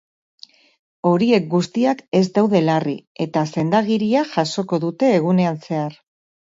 Horiek guztiak ez daude larri eta sendagiria jasoko dute egunean zehar.